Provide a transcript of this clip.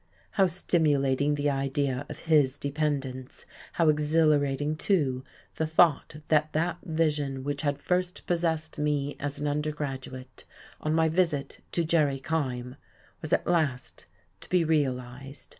How stimulating the idea of his dependence! How exhilarating too, the thought that that vision which had first possessed me as an undergraduate on my visit to Jerry Kyme was at last to be realized!